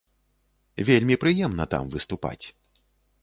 Вельмі прыемна там выступаць.